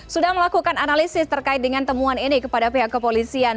sudah melakukan analisis terkait dengan temuan ini kepada pihak kepolisian